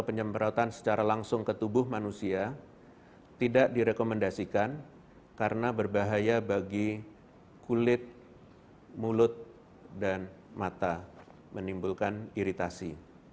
penyemprotan secara langsung ke tubuh manusia tidak direkomendasikan karena berbahaya bagi kulit mulut dan mata menimbulkan iritasi